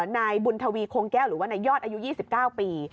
ในบุณธวีโคงแก้วหรือว่าในยอดอายุ๒๙ปี